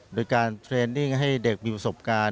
โดยการเทรนดิ้งให้เด็กมีประสบการณ์